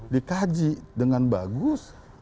dikaji dengan bagus